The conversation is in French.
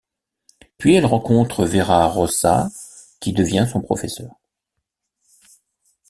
Puis elle rencontre Vera Rozsa qui devient son professeur.